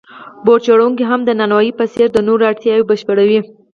بوټ جوړونکی هم د نانوای په څېر د نورو اړتیاوې بشپړوي